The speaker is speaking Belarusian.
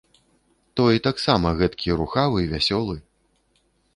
Той таксама гэткі рухавы, вясёлы.